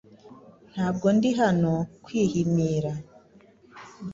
Ntabwo ndi hano kwihimira